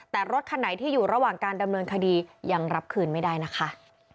แต่รถคันไหนที่อยู่ระหว่างการดำเนินคดียังรับคืนไม่ได้นะคะ